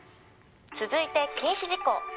「続いて禁止事項」